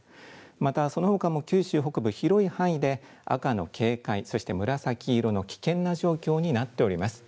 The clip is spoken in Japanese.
またそのほかも九州北部、広い範囲で赤の警戒、そして紫色の危険な状況になっております。